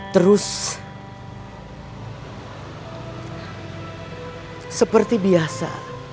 terus seperti biasa